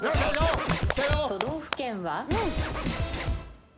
都道府県は？